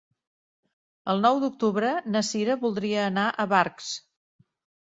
El nou d'octubre na Sira voldria anar a Barx.